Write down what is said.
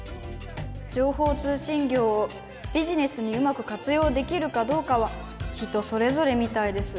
情報通信業をビジネスにうまく活用できるかどうかは人それぞれみたいです